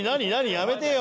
やめてよ。